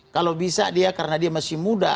kalau bisa dia karena dia masih muda